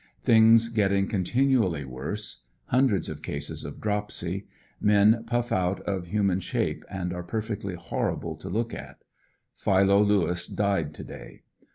Things getting continually worse. Hundreds of cases of dropsy. Men puff out of human shape and are perfectly horrible to look at. Pliilo Lewis died to day.